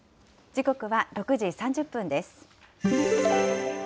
時刻は６時３０分です。